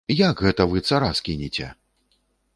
Як гэта вы цара скінеце?!